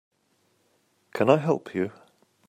Can I help you?